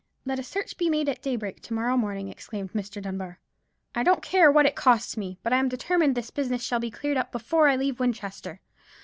"Let a search be made at daybreak to morrow morning," exclaimed Mr. Dunbar. "I don't care what it costs me, but I am determined this business shall be cleared up before I leave Winchester.